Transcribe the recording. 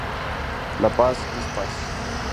La paz es paz.